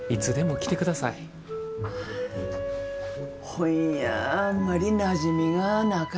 本やあんまりなじみがなかね。